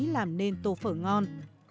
làm nên tô phở ngon